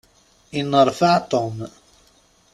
Inneṛfaɛ Tom.